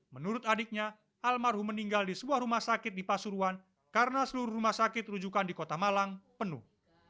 menurut adiknya almarhum meninggal di sebuah rumah sakit di pasuruan karena seluruh rumah sakit rujukan di kota malang penuh